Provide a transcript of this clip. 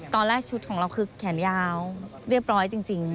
ตอนแรกชุดของเราคือแขนยาวเรียบร้อยจริง